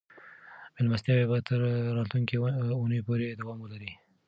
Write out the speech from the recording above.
مېلمستیاوې به تر راتلونکې اونۍ پورې دوام ولري.